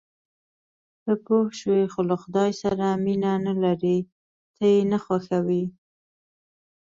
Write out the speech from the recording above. ته پوه شوې، خو له خدای سره مینه نه لرې، ته یې نه خوښوې.